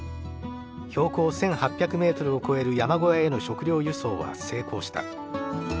標高１，８００ｍを超える山小屋への食糧輸送は成功した。